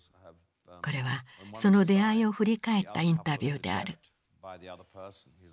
これはその出会いを振り返ったインタビューである。